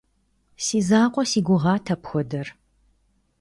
Си закъуэ си гугъат апхуэдэр.